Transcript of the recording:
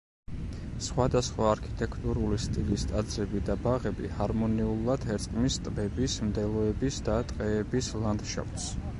სხვადასხვა არქიტექტურული სტილის ტაძრები და ბაღები ჰარმონიულად ერწყმის ტბების, მდელოების და ტყეების ლანდშაფტს.